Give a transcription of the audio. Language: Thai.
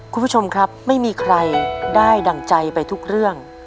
คุณผู้ชมครับไม่มีใครได้ดั่งใจไปทุกเรื่อง